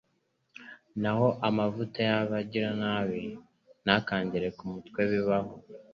Naho amavuta y’abagiranabi ntakangere ku mutwe bibaho